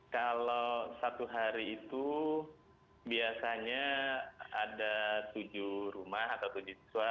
kalau satu hari itu biasanya ada tujuh rumah atau tujuh siswa